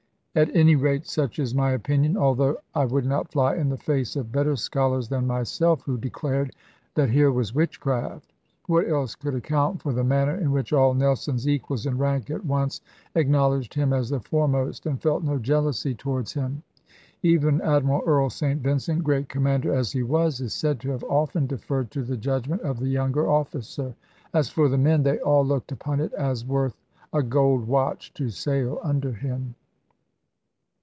At any rate such is my opinion; although I would not fly in the face of better scholars than myself, who declared that here was witchcraft. What else could account for the manner in which all Nelson's equals in rank at once acknowledged him as the foremost, and felt no jealousy towards him? Even Admiral Earl St Vincent, great commander as he was, is said to have often deferred to the judgment of the younger officer. As for the men, they all looked upon it as worth a gold watch to sail under him.